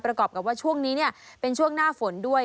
ประกอบกับว่าช่วงนี้เป็นช่วงหน้าฝนด้วย